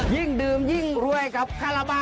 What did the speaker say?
ยิ่งดื่มยิ่งรวยกับคาราบา